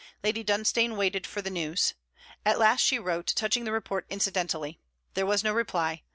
Lady Dunstane waited for the news. At last she wrote, touching the report incidentally. There was no reply.